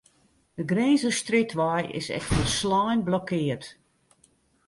De Grinzerstrjitwei is ek folslein blokkeard.